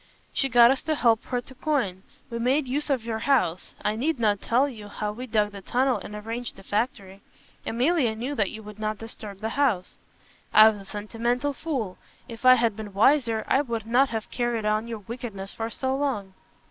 "She got us to help her to coin. We made use of your house. I need not tell you how we dug the tunnel and arranged the factory. Emilia knew that you would not disturb the house " "I was a sentimental fool. If I had been wiser you would not have carried on your wickedness for so long."